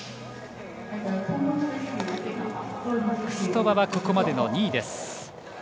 クストワはここまでの２位です。